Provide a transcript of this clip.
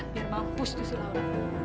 biar mampus tuh si laura